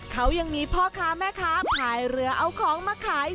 เขายังมีพ่อค้าแม่ค้าพายเรือเอาของมาขาย